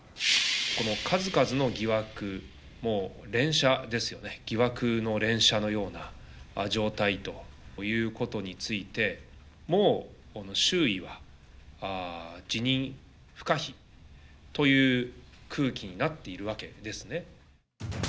この数々の疑惑、もう連射ですよね、疑惑の連射のような状態ということについて、もう周囲は、辞任不可避という空気になっているわけですね。